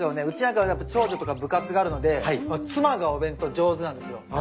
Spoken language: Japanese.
うちなんかは長女とか部活があるので妻がお弁当上手なんですよ。